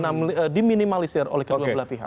itu harus menjadi tugas untuk diminimalisir oleh kedua pihak